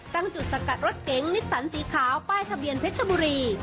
ตั้งจุดสกัดรถเก๋งนิสสันสีขาวป้ายทะเบียนเพชรบุรี